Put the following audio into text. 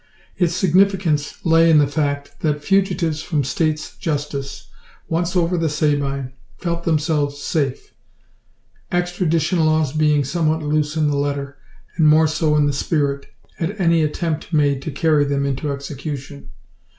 Its significance lay in the fact, that fugitives from States' justice, once over the Sabine, felt themselves safe; extradition laws being somewhat loose in the letter, and more so in the spirit, at any attempt made to carry them into execution.